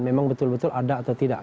memang betul betul ada atau tidak